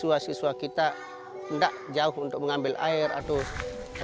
g astronom hasta kebetulan